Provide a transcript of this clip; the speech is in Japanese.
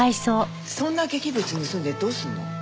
そんな劇物盗んでどうするの？